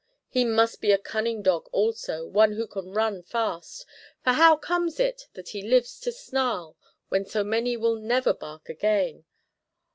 He must be a cunning dog also, one who can run fast, for how comes it that he lives to snarl when so many will never bark again?